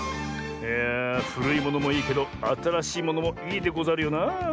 いやあふるいものもいいけどあたらしいものもいいでござるよなあ。